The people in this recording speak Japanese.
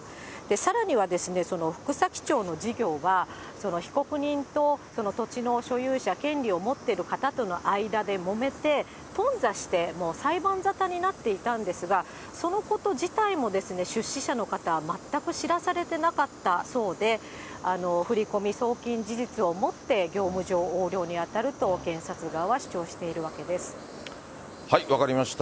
さらにはですね、福崎町の事業は、被告人と土地の所有者、権利を持っている方との間でもめて、頓挫して、もう裁判沙汰になっていたんですが、そのこと自体も出資者の方は全く知らされてなかったそうで、振り込み送金事実をもって業務上横領に当たると検察側は主張して分かりました。